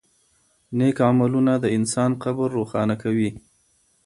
نېک عملونه د انسان قبر روښانه کوي.